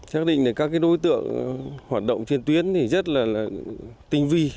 xác định là các đối tượng hoạt động trên tuyến thì rất là tinh vi